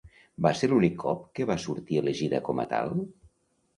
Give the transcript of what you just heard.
Va ser l'únic cop que va sortir elegida com a tal?